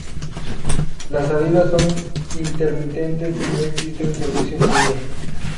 Las salidas son intermitentes y no existe un servicio fluido.